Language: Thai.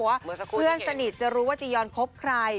บอกว่าเพื่อนสนิทจะรู้ว่าจียอนพบใคร